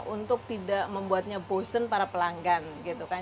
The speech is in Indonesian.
untuk tidak membuatnya bosen para pelanggan gitu kan